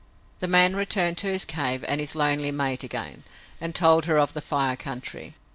The man returned to his cave and his lonely mate again and told her of the Fire Country.